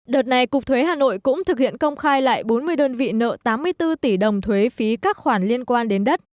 đợt này cục thuế hà nội cũng thực hiện công khai lại bốn mươi đơn vị nợ tám mươi bốn tỷ đồng thuế phí các khoản liên quan đến đất